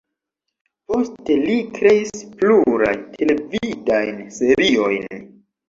Poste li kreis pluraj televidajn seriojn.